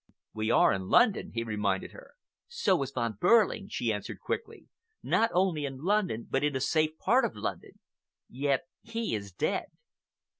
"We are in London," he reminded her. "So was Von Behrling," she answered quickly,—"not only in London but in a safe part of London. Yet he is dead."